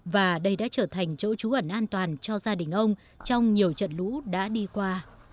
và đây đã trở thành chỗ trú ẩn an toàn cho gia đình ông trong nhiều trận lũ đã đi qua